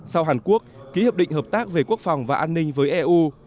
sau hàn quốc ký hợp định hợp tác về quốc phòng và an ninh với eu